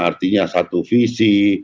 artinya satu visi